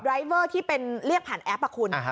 รายเวอร์ที่เป็นเรียกผ่านแอปอ่ะคุณ